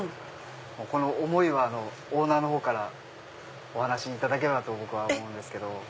この思いはオーナーのほうからお話しいただければと僕は思うんですけど。